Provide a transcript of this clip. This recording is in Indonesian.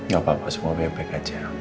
gak apa apa semua baik baik aja